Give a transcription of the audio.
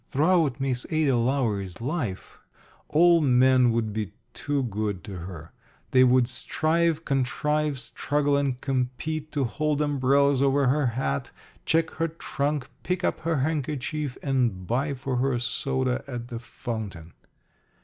Throughout Miss Ada Lowery's life all men would be to good to her. They would strive, contrive, struggle, and compete to hold umbrellas over her hat, check her trunk, pick up her handkerchief, and buy for her soda at the fountain.